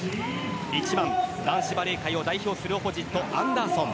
１番、男子バレー界を代表するオポジット、アンダーソン。